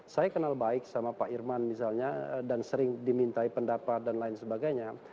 saya kenal baik sama pak irman misalnya dan sering dimintai pendapat dan lain sebagainya